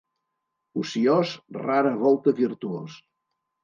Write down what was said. Ociós, rara volta virtuós.